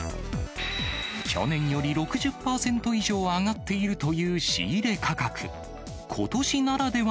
去年より６０％以上上がっているという仕入れ価格。